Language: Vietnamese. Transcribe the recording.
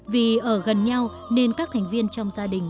vì ở gần nhau nên các thành viên trong gia đình